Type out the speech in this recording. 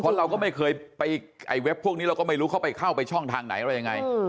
เพราะเราก็ไม่เคยไปไอ้เว็บพวกนี้เราก็ไม่รู้เขาไปเข้าไปช่องทางไหนอะไรยังไง